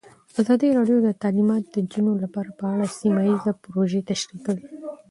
ازادي راډیو د تعلیمات د نجونو لپاره په اړه سیمه ییزې پروژې تشریح کړې.